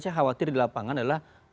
saya khawatir di lapangan adalah